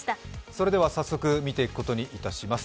それでは早速、見ていくことにいたします。